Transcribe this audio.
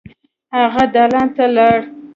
هغه دالان ته لاړ.